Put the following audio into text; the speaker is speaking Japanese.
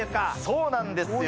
そうなんですよ。